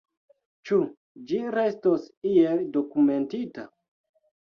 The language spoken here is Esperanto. Ĉu ĝi restos iel dokumentita?